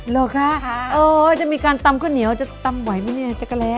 หรอคะจะมีการตำข้อเหนียวจะตำไหวไหมเจ๊กระแล